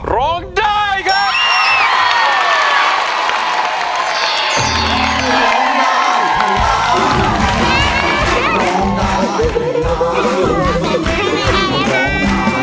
โรงไดเกิร์ต